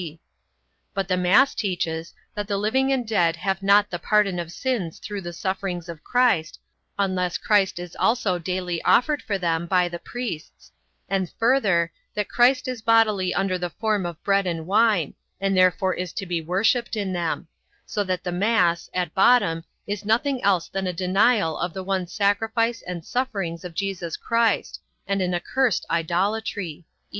(d) But the mass teaches, that the living and dead have not the pardon of sins through the sufferings of Christ, unless Christ is also daily offered for them by the priests; and further, that Christ is bodily under the form of bread and wine, and therefore is to be worshipped in them; so that the mass, at bottom, is nothing else than a denial of the one sacrifice and sufferings of Jesus Christ, and an accursed idolatry.